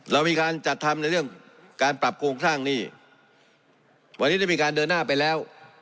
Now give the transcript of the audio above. เรามีการจัดทำในเรื่องการปรับโครงสร้างหนี้วันนี้ได้มีการเดินหน้าไปแล้ว